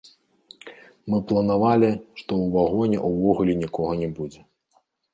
Мы планавалі, што ў вагоне увогуле нікога не будзе.